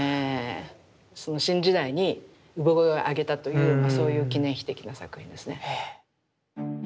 その新時代に産声を上げたというそういう記念碑的な作品ですね。